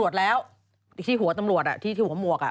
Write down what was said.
เพราะว่าตอนนี้ก็ไม่มีใครไปข่มครูฆ่า